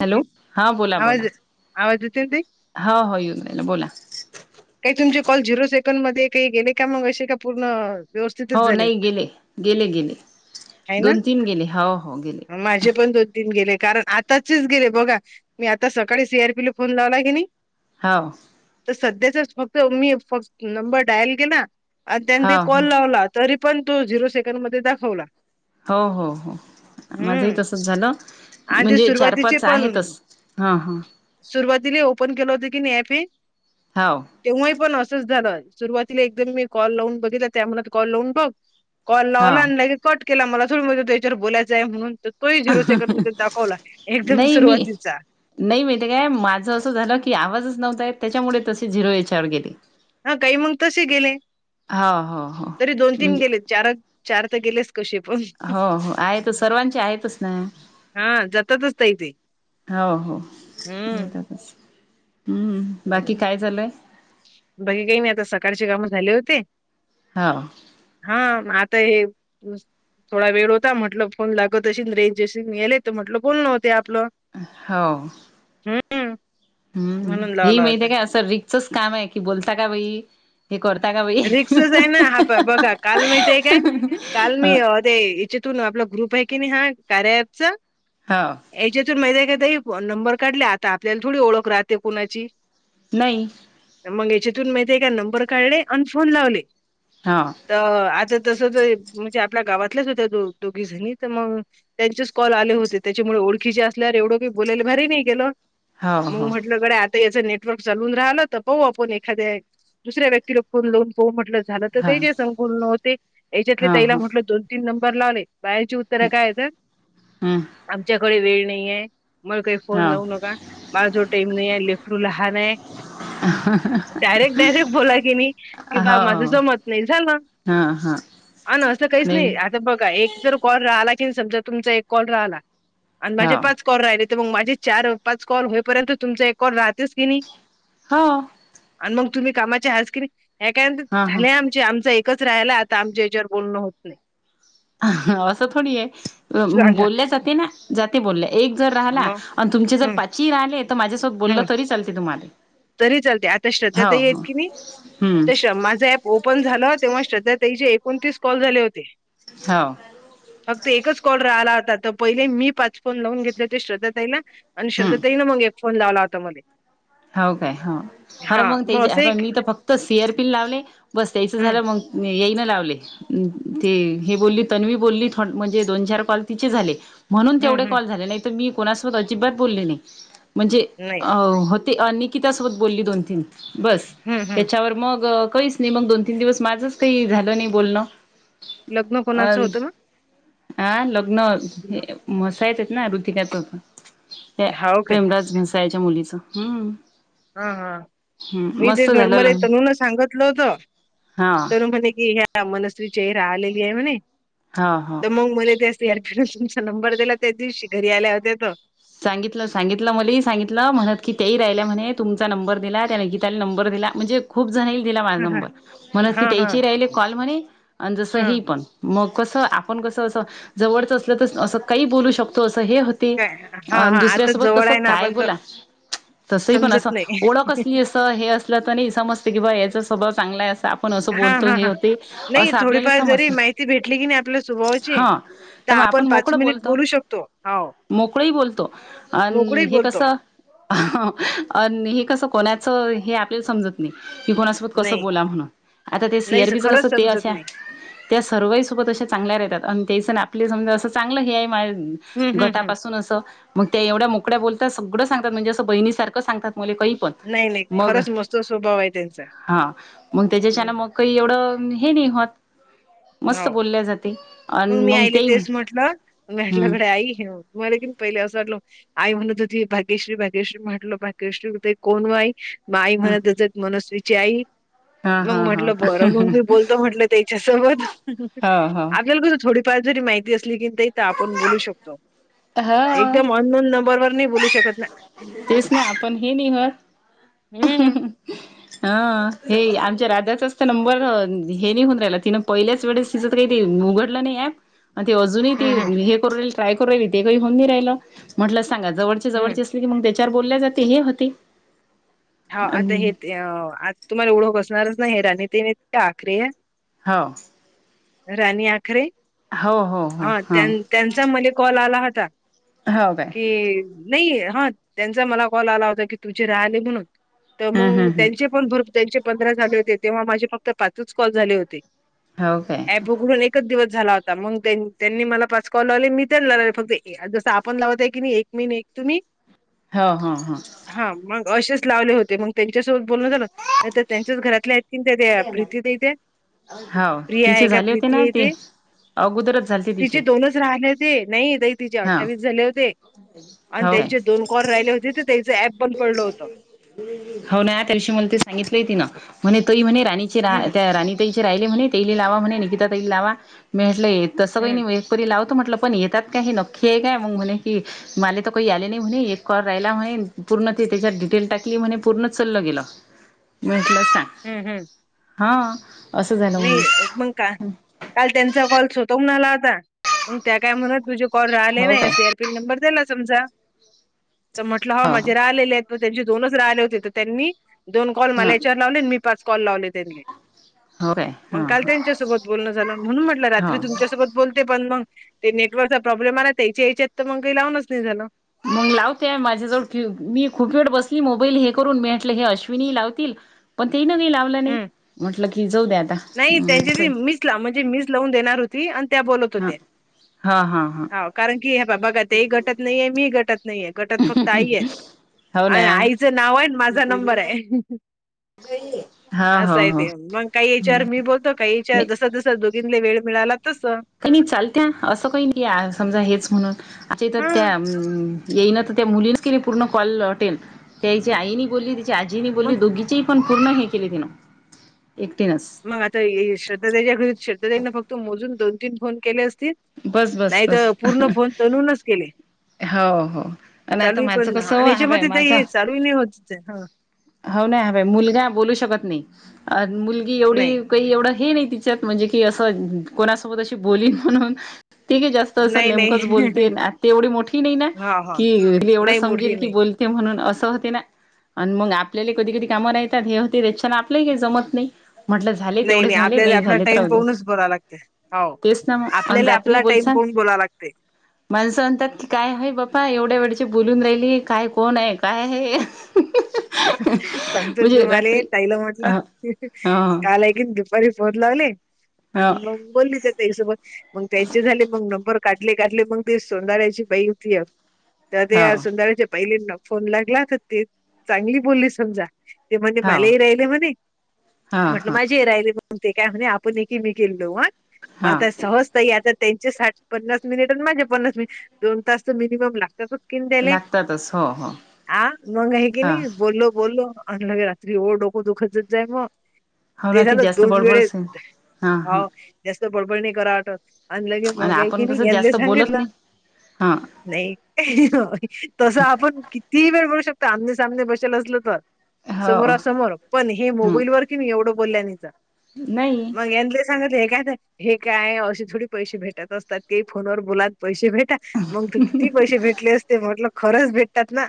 Hello हा बोला आवाज बोला आवाज येतोय ना ताई? हो हो येऊन राहिला बोला. काही तुमचे कॉल झिरो सेकंड मध्ये काही गेले का मग असे का पूर्ण हो व्यवस्थितच झाले? नाही गेले, गेले गेले आहे ना? दोन तीन गेले हो हो गेले. माझे पण दोन गेले कारण आताचेच गेले बघा मी आता सकाळी सी आर पी ला फोन लावला की नाही. होव तर सध्याचाच फक्त मी एक फक्त नंबर डायल गेला आणि त्यान हो ते कॉल हो लावला. तरी पण तो झिरो सेकंडमध्ये दाखवला. हो हो हो. माझंही हम्म. तसच झालं आधी म्हणजे चार सुरुवातीचे पाच आहेतच हा हा. सुरुवातीले ओपन केलं होत की नाही ॲप हे. हाव. तेव्हाही पण असंच झालं सुरुवातीला एकदम मी कॉल लावून बघितला त्यामु कॉल लावून बघ. कॉल लावला हो आणिला की कट केला मला थोडीज त्यायाच्यावर बोलायचंय म्हणून. तोही झिरो सेकंड मध्ये दाखवला एकदम नाही मी सुरुवातीचा. नाही माहितीे काय माझं असं झालं की आवाजच नव्हता येत त्याच्यामुळे तशी झिरो याच्यावर गेले. हा काही मग तसे गेले हो हो हो तरी दोन तीन गेले चार चार तर गेलेच कसे पण आहो हो आहे सर्वांचे आहेतच ना. हा जातातच ताई ते हो हो हम्म एकातच हम्म बरं. बाकी काय चालुये? बाकी काही नाही आता सकाळचे काम झाले होते हां हा आता हे थोडा वेळ होता म्हटलं फोन लागत अशील रेंज येशील गले तर म्हटलं बोलण होत आपलं. हो हम्म हम् म्हणून हे लावला होता माहितीे का असं रिक्सच काम आहे की बोलता का बाई हे करता का बाई रिक्सच आहे ना हा बघा काल माहीत आहे का काल मी ते हेच्यातून आपला ग्रुप आहे की नाही हा कार्या ॲपचा हा याच्यातून माहित आहेका ते फोन नंबर काढले आता आपल्याला थोडी ओळख राहते कोणाची. नाही मग याच्यातून माहित आहे का एक नंबर काढले आणि फोन लावले. हां तर आता तस म्हणजे आपल्या गावातल्याच होत्या दोघी जणी तर मग त्यांचेच कॉल आले होते त्याच्यामुळे ओळखीचे असल्या एवढ बोलायला भारी नाही गेलं. हो मग हो म्हटलं गड्या आता याच नेटवर्क चालून राहन तर पाऊ आपण एखाद्या दुसऱ्या व्यक तिला फोन लावून हो म्हटलं झालं तर हा तेजे नव्हते त्याच्यातले हा तीला हा म्हटलं दोन तीन नंबर लावले बाहेची उत्तरं काय तर हम्म आमच्याकडे वेळ नाही आहे. मला काही फोन हो लावू नका माला जो टाईम नाही आहे लेकरू लहान आहे. [unintelligible] डायरेट डारेकट बोलाय के मी हो बा माझ हो जमत नाही झाला हा हा अण अस काहीच नाही आर बघा एक जर कॉल राहला की समजा तुमचा एक कॉल राहला आणि माझे हो पाच कॉल राहिले तर मग माझे चार पाच कॉल होईपर्यंत तुमचा एक कॉल राहतेस कि नाही हो आणि मग तुम्ही कामाचे हज किरी ह काय म्हणते हा हा झाले आम आमच एकच राहिला आता आमच्या याच्यावर बोलणं होत नाही. असं थोडी आहे सांगा बोलल्या जाते ना जाते बोलल्या एक जर राहिला मग आणि तुमचे जर हं पाच राहिले तर माझ्यासोबत बोललं हं तरी चालते तुम्हाला तरी चालतंय आता श्रद्धा हो ताई आहेत हो का नाही हम्म त्या सुद्धा माझा ॲप ओपन झालं तेव्हा श्रद्धा ताईचे एकोणतीस कॉल झाले होते. हो फक्त एकच कॉल राहिला होता तर पहिले मी पाच फोन लावून घेतले होते श्रद्धा तईला. आणि श्रद्धा हम्म ताई न मग एक फोन लावला होता म्हणे. हो काय हो अर मग असं त्या एक मी तर फक्त सेअर पिन लावले बस त्यायचं हं झालं मग मी येईनं लावले ते हे बोलली तन्वी बोलली म्हणजे दोन चार कॉल तिचे झाले. म्हणून हं तेवढे हं कॉल झाले नाही तर मी कोणासोबत अजिबात बोलले नाही म्हणजे नाही ह होत निकितासोबत बोलली दोन तीन बस हं हं त्याच्यावर मग काहीच नाही मग दोन तीन दिवस माझंच काही झालं नाही बोलणं लग्न अ कोणाचं होतं हा लग्न ना मसा येतात ना ऋतिकय सोबत त्या हाव काय प्रेमराज भेसालेच्या मुलीच हम्म हा हा मी तेच झालं ल मरमरे तणून सांगितलं होतं हा तर म्हणे कि ह्या मनसरीची हा आलेलि आहे म्हणे हा हा मग मला त्या सी आरपीने तुमचा नंबर दिला त्या दिवशी घरी आल्या होता तो सांगितलं सांगितलं मली सांगितलं म्हणत की तेही राहिल्या म्हणे तुमचा नंबर दिला त्याने की त्याला नंबर दिला म्हणजे खूप जणईल दिला माझा हा नंबर म्हणत हा हा की हा त्याचे राहिले कॉल म्हणे आणि जसं हा हे पण मग कसं आपण कसं असं जवळचं असलं तस काही बोलू शकतो असं हे हो [unintelligible] आणि आता दुसऱ्यासोबत जवळ कसं आहे ना काय आपण तर बोला तसही पण समजत असं नाही ओळख असली अस तर हे असलं तर नाही समजते की बा याचा स्वभाव चांगला आहे असा हा हा हा नाही थोडीफार जरी समजते माहिती भेटली की नाही आपल्या स्वभावाची हा त तर मग आपण पाच मोकळं मिनिट बोलतो बोलू शकतो हाव. मोकळही बोलतो आण हे बोलतो कसं आणि हे कसं कोणाचं हे आपल्या समजत नी की कोणासोबत कसं नाही बोला म्हणून आता ते सी नाही आर बी चं खरंच कसं ते समजत अशा नाही त्या सर्वा ही सोबत अशा चांगल्या रहत्यात आणि तेसनं आपले समजा असं चांगलं हे आहे मा हम्म हम्म हम्म गटापासून असं मग त्या एवढ्या मोकळ्या बोलता सगळं सांगतात म्हणजे असं बहिणी सारखं सांगतात. मले काही पण नाही नाही मग खरंच मस्त स्वभाव आहे त्यांचा हा मग हम्म त्याच्याच्याना मग काही एवढं हे नाही होत मस्त हो बोल्या जाते. आणि मग मी आईले ते तेच म्हटलं हम्म म्हटल्याकडे आई ह्यो मला कीन पहिले असं वाटलो आई म्हणत होती भाग्यश्री भाग्यश्री म्हटलं भाग्यश्री होते कोण गं आई? म आई म्हणत त्याचात मनस्वीची आई हा मग हा हा म्हटलं बरं मग मी बोलतो म्हटलं त्याच्यासोबत हा हा आपल्याला कसं थोडीफार जरी माहिती असली की ते तर आपण बोलू शकतो हा एकदम अननोन नंबर वर नाही बोलू शकत ना. तेच ना आपण हे निघत. हम्म [inaudible] हा हे आमच्या रादाचाच तर नंबर हे निघून राहिला तिनं पहिल्याच वेळेस तिच त काही ते उघडलं नाही ऐप. अन ते अजूनही ते हम्म हे करू राहिल ट्राय करू राहिल ते काही होऊन नाही राहिलं म्हटलं सांगा जवळचे हम्म. जवळचे तुझी मंग त्याच्यावर बोल्या जाते हे होती हा आता हे ते आ तुम्हाला ओढव बसणारच ना हे राणी ते आखरी हाव. राणी आखरे हो हो हो हा हो त्यां त्यांचा मले कॉल आला होता. हो काय की नाही हा त्यांचा मला कॉल आला होता की तुझे राहिले म्हणून तर हम्म मंग हम्म हम्म त्यांचे पण भरपूर त्यांचे पंधरा झाले होते तेव्हा माझे फक्त पाचचं कॉल झाले होते. हो काय ॲप उघडून एकचं दिवस झाला होता मग त्यां त्यांनी मला पाच कॉल लावले मी त्यांना लावले फक्त जसं आपण लावतय की नाही एक मिनी एक तुनी हा हा हां. हा मग असेच लावले होते मंग त्यांच्यासोबत बोलण झालं नाहीतर त्यांच्याच घरातल्या किनते तेआ पृथी ताई ते हाव तिचे झाले होते ना ते अगोदरचं झालेते तिचे. ज राहले ते नाही तिचे हा अठ्ठावीस झाले होते आणि हो काय त्यांचे दोन कॉल राहिले होते ते त्याचं ऍप बंद पडलं होत हो ना त्यालशी म्हणते सांगितलंय तिनं म्हणे तोही म्हणे राणीची रा हम्म त्या राणी त्यांचे राहिले म्हणे ते ले लावा म्हणे निकिता ताई लावा मी म्हेटलंय तसं काही हम्म नाही वे तरी लावतो म्हटलं पण येतात का हे नक्की आहे काय मंग म्हणे की मला तर काही आले नाही म्हणे एक कॉल राहिला म्हणे पूर्ण ते त्याच्यात डिटेल टाकली म्हणे पूर्ण चललं गेलं. म्हटलं सांग हम्म हम्म. हां. नाही पण का काल त्यांचा कॉल स्वतःहून आला होता मंग त्या काय म्हणत तुझे कॉल राहिले हो नाही काय असे एअरपीन नंबर दिला समजा तर म्हटलं हो माझे राहिलेले त्यांचे दोनच राहिले होते तर त्यांनी दोन कॉल मला हां याच्यावर लावले आणि मी पाच कॉल लावले त्यांले. हो काय मंग हां काल त्यांच्यासोबत बोलणं झालं म्हणून म्हटलं रात्री हो तुमच्यासोबत बोलते पण मग ते नेटवर्कचा प्रॉब्लेम आला त्या याच्या याच्यात तर मग काही लावूनच नाही झालं. मग लावतेय माझ्याजवळ मी खूप वेळ बसली मोबाईल हे करून मी म्हटलं हे अश्विनी लावतील पण तेनव्ह लावलं नाही हम्म म्हटलं की जाऊदे या आता. नाही त्यांची त मीच ला म्हणजे मीच लावून देणार होती आणि त्या बोलत हा होत्या हा कारण की हे बा बघा ते घटत नाहीये मी घटत नाहीये गटत फक्त आई हे. हो अ ना आईचं नाव आहे माझा नंबर हे हा असं हो आहे हो ते मग काही या चार मी बोलतो काही विचार नाही जस जस दोघींले वेळ मिळाला तस. का मी चालत्या असं काही नाही समजा हेच म्हणून आता तर हां त्या येईन तर त्या मुलीं क नाही पूर्ण कॉल वाटेल त्या याची आईनी बोलली तिची आजीनी मग बोलली दोघीची पण पूर्ण हे केली तिन एकटीनच मग आता हे श्रद्धाताईच्या घरी श्रद्धताईने फक्त मोजून दोन तीन फोन केले असतील बस बस नाहीतर बस पूर्ण फोन तनूनच केले हो हो आणि आता चालूये माझं पण कसं आणि ह बाय याच्यामध्ये ताई माझा हे चालू ही नाही होत हा हो नाही ह बाई मुलगा बोलू शकत नाही अ मुलगी एवढी नाही. काही एवढं हे नाही तिच्यात म्हणजे की असं कोणासोबत अशी बोलीन म्हणून ते जास्त असं नाही नेमकंच नाही बोलते तेवढी मोठ नाही ना हा हा की एवढं एवढं नाही मोठी समजेल की नाही. बोलते म्हणून असं होते ना आणि मग आपल्याला कधी कधी काम राहतात हे होते त्याच्याना आपलंही काही जमत नाही म्हटलं ज झाले नाही तेवढे झाले आपल्याला नाही आपला झाले तर टाइम राहू दे पाहूनच बोलावं लागते हो. तेच ना मग आपल्याला रात्री आपला बोल टाइम सांग पाहून बोलावं लागते. माणसं म्हणतात की काय आहे बापा एवढ्या वेळची बोलून राहिली काय कोण आहे? काय आहे सांगतो म्हणजे तुम्हाले रात्री ताईला म्हटलं अ हा काल ए दुपारी फोन लावली हो आणि मग बोलली त्यात ते सगळ मग त्यांचे झाले मग नंबर काढले काढले मग ते सोंदयांनचे बाई होती. तर ते हो या सुंदरयांनचे पहिली फोन लागला तर ते चांगली बोलली समजा. ते म्हणे हो मला ही राहिले म्हणे हा म्हटलं हा माझे ही राहिले मग ते काय म्हणे आपण एकमेकीला लावू हा, मग हा आता सहज ताई याच्यात त्यांचे साठ पन्नास मिनिट आणि माझे पन्नास मिनिट दोन तास तर मिनिमम लागतात लागतातच हो हो हा मग आहे की हा नाही बोललो बोललो आणि लगे रात्री हो डोक दुखतच जाय मग हो ना ते ती झालं जास्त दोन बडबडच आहे वेळेत हा हा हाओ जास्त बडबड नई करावं वाटत आणि लगे मग हाय की आपण नई कसं ह्यांना जास्त बोलत नाही सांगितलं हा नाही तस आपण किती वेळ बडबडू शकतो आमने सामने बसेलो असलो तर. हो समोरासमोर पण हे ह मोबाईल वर की नई एवढं बोलल्या नितर नाही मग यानले सांगितलं हे काय तर हे काय असते थोडी पैसे भेटत असतात की फोनवर बोला पैसे भेटा मग तू किती पैसे भेटले असते म्हटलं खरंच भेटतात ना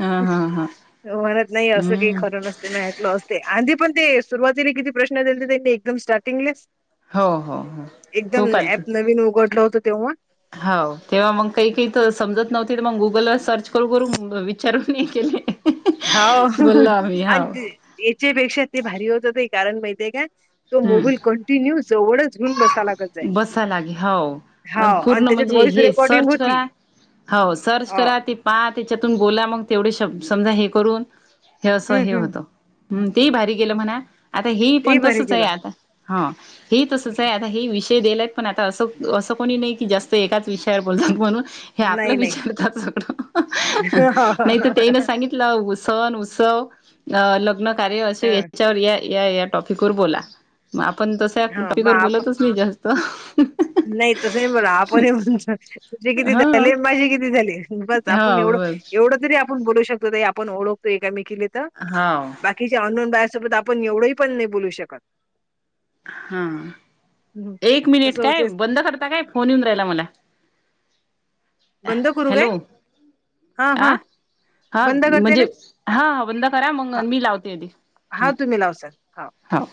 हा हा हा म्हणत नाही असं काही हम्म खरं नस ते माहितलं असते आंधी पण ते सुरुवातीने कितीनी किती प्रश्न दिले दिले एकदम स्टार्टिंगल हो हो हो एकदम खूप आलती ॲप नवीन उघडलात तेव्हा हो तेव्हा मग काही एक एक तर समजत नव्हते तर मग गुगलवर सर्च करून विचारून मी केले हो बोललो आम्ही हाव आणि याच्यापेक्षा ते भारी होत होते कारण माहिती आहे का तो मोबईल कंटिन्यू जवळच घेऊन बस बसायलागे हाव आण हाव आणि पूर्ण त्याच्यात म्हणजे व्हॉइस हे रेकॉर्डिंग सर्च होती. करा. हाव सर्च हाव करा ते प हा त्याच्यातून बोला मग तेवढे शब समजा हे करून हे असं हं, हे हं. होतं. हम तेही भारी केलं म्हणा. आता हे ही तेही पण भारी तसच आहे केलं. आता हा हे ही तसच आहे आता हे ही विष ते गेलेत पण आता असं असं कोणी नाही की जास्त एकाच विषयावर बोलतात म्हणून हे आपला नाही, नाही. विचारताच सगळ नाही तर ते ना हं, सांगित सण उत्सव लग्न कार्य अस याच्यावर ये या या टॉपिक वर बोला मग आपण तस हां. टॉपिक मग वर आपण बोलतच नाही जास्त नाही तसही बोला आपण हे म्हण तुझे किती हा झाले माझी किती झाले बस हा आपण एवढं बर एवढं तरी आपण बोलू शकतो ताई आपण ओळखतो एकामेकीला इथ हाव. बाकीच्या अननोन बायासोबत आपण एवढंही पण नाही बोलू शकत. हा हं. एक मिनिट कसं काय होतेस बंद करता काय फोन येऊन राहिला मला. बंद करू काय? हॅलो हा आ हा. हा म्हणजे हा हा बंद करा मग मी लावते आधी. आता हम्म तुम्ही लावसान. हाव.